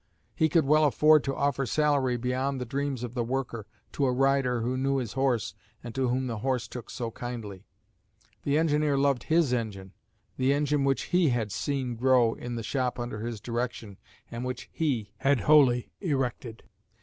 He could well afford to offer salary beyond the dreams of the worker, to a rider who knew his horse and to whom the horse took so kindly. The engineer loved his engine, the engine which he had seen grow in the shop under his direction and which he had wholly erected.